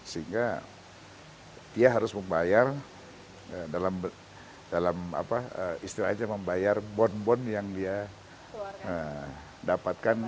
sehingga dia harus membayar dalam istilahnya membayar bon bon yang dia dapatkan